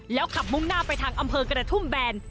ขับมุ่งหน้าไปทางอำเภอกระทุ่มแบน